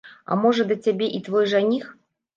А можа, да цябе і твой жаніх?